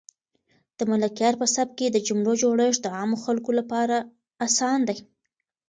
د ملکیار په سبک کې د جملو جوړښت د عامو خلکو لپاره اسان دی.